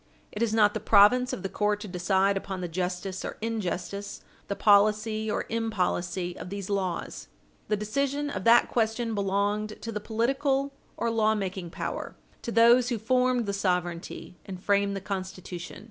It is not the province of the court to decide upon the justice or injustice, the policy or impolicy, of these laws. The decision of that question belonged to the political or lawmaking power, to those who formed the sovereignty and framed the Constitution.